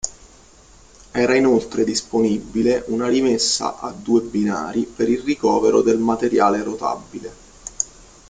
Era inoltre disponibile una rimessa a due binari per il ricovero del materiale rotabile.